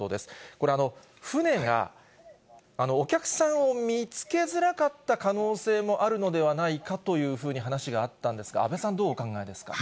これ、船がお客さんを見つけづらかった可能性もあるのではないかというふうに話があったんですが、安倍さん、どうお考えですか。